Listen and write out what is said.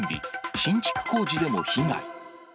新築工事でも被害。